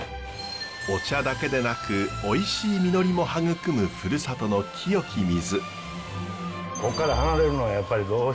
お茶だけでなくおいしい実りも育むふるさとの清き水。